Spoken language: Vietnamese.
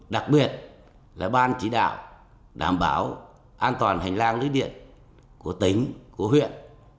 đặc biệt là ban chỉ đạo đảm bảo an toàn hành lang lưới điện của tỉnh của huyện